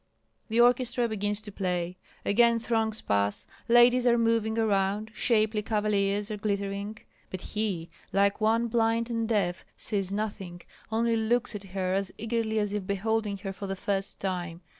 The orchestra begins to play; again throngs pass. Ladies are moving around, shapely cavaliers are glittering; but he, like one blind and deaf, sees nothing, only looks at her as eagerly as if beholding her for the first time.